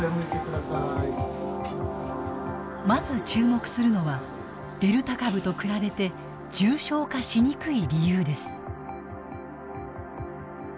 まず、注目するのはデルタ株と比べて重症化しにくい理由です。